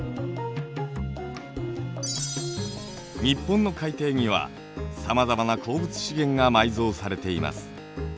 日本の海底にはさまざまな鉱物資源が埋蔵されています。